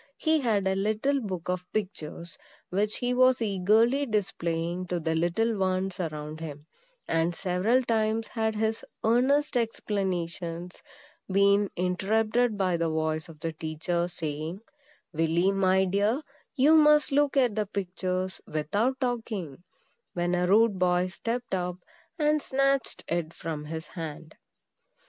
He had a little book of pictures, which he was eagerly displaying to the little ones around him; and several times had his earnest explanations been interrupted by the voice of the teacher, saying, "Willy, my dear, you must look at the pictures without talking;" when a rude boy stepped up and snatched it from his hand.